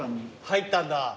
入ったんだ。